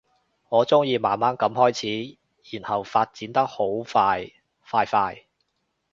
我鍾意慢慢噉開始，然後發展得好快快快